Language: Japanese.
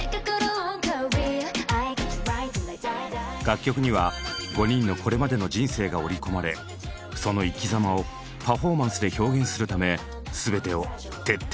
楽曲には５人のこれまでの人生が織り込まれその生き様をパフォーマンスで表現するため全てを徹底的に磨き抜く。